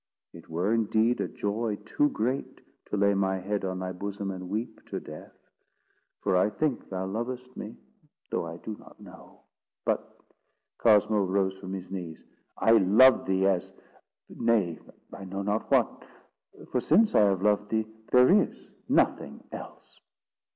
It were indeed a joy too great, to lay my head on thy bosom and weep to death; for I think thou lovest me, though I do not know;—but——" Cosmo rose from his knees. "I love thee as—nay, I know not what—for since I have loved thee, there is nothing else."